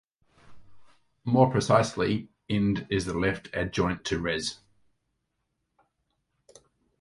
More precisely, Ind is the left adjoint to Res.